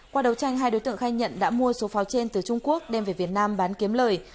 qua đầu tranh hai đối tượng khai nhận đã mua số pháo trên từ trung quốc đem về việt nam bán kiếm lời